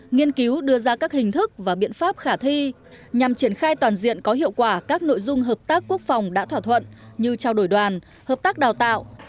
nghiên cứu đưa ra các hình thức và biện pháp khả thi nhằm triển khai toàn diện có hiệu quả các nội dung hợp tác quốc phòng đã thỏa thuận như trao đổi đoàn hợp tác đào tạo